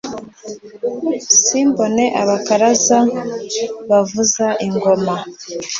simbone abakaraza bavuza ingoma